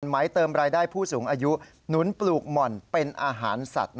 ไหมเติมรายได้ผู้สูงอายุหนุนปลูกหม่อนเป็นอาหารสัตว์